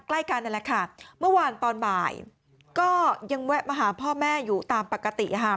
ใกล้กันนั่นแหละค่ะเมื่อวานตอนบ่ายก็ยังแวะมาหาพ่อแม่อยู่ตามปกติค่ะ